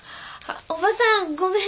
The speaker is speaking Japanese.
おばさんごめん。